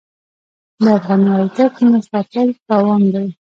د افغانۍ ارزښت نه ساتل تاوان دی.